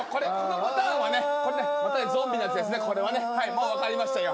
もう分かりましたよ。